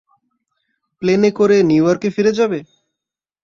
প্লেনে করে নিউ ইয়র্কে ফিরে যাবে?